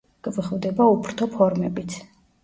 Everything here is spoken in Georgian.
გვხვდება უფრთო ფორმებიც.